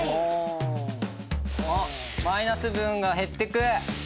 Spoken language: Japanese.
あっマイナス分が減ってく！